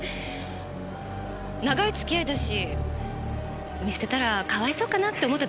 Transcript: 長い付き合いだし見捨てたらかわいそうかなって思っただけよ。